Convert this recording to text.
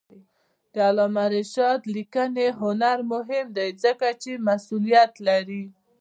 د علامه رشاد لیکنی هنر مهم دی ځکه چې مسئولیت لري.